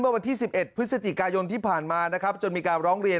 เพื่อขอให้สอบสวนลงโทษเจ้าหน้าที่ชุดจับกลุ่มที่เรียกรับเงิน